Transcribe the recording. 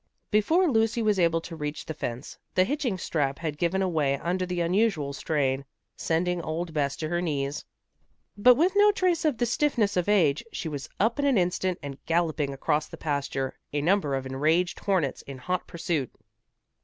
Before Lucy was able to reach the fence, the hitching strap had given away under the unusual strain, sending old Bess to her knees. But with no trace of the stiffness of age, she was up in an instant and galloping across the pasture, a number of enraged hornets in hot pursuit.